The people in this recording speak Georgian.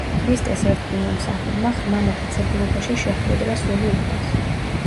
ქრისტეს ერთგულმა მსახურმა ღრმა მოხუცებულობაში შეჰვედრა სული უფალს.